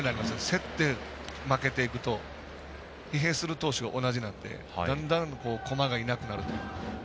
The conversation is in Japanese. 競って負けていくと疲弊する投手が同じなのでだんだん駒がいなくなる。